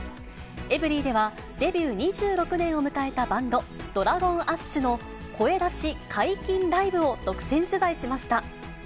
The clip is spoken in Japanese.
エブリィでは、デビュー２６年を迎えたバンド、ＤｒａｇｏｎＡｓｈの声出し解禁ライブを独占取材しました。